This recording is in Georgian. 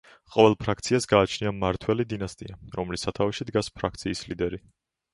ყოველ ფრაქციას გააჩნია მმართველი დინასტია, რომლის სათავეში დგას ფრაქციის ლიდერი.